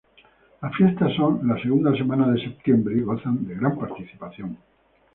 Las fiestas son la segunda semana de septiembre y gozan de gran participación.